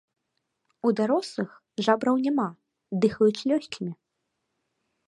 У дарослых жабраў няма, дыхаюць лёгкімі.